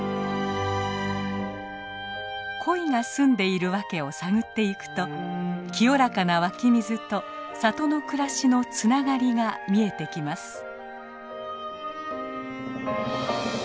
コイが住んでいる訳を探っていくと清らかな湧き水と里の暮らしのつながりが見えてきます。